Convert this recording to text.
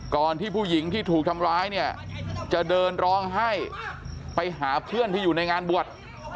ที่ผู้หญิงที่ถูกทำร้ายเนี่ยจะเดินร้องไห้ไปหาเพื่อนที่อยู่ในงานบวช